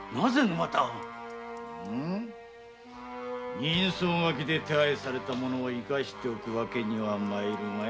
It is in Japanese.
人相書で手配された者を生かしておく訳には参るまい。